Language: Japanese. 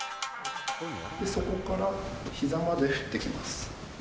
そこからひざまで振ってきます。